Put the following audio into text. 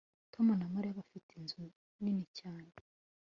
Tom na Mariya bafite inzu nini cyane